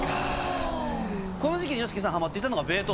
この時期にＹＯＳＨＩＫＩさんハマっていたのが。